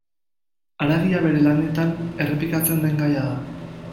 Haragia bere lanetan errepikatzen den gaia da.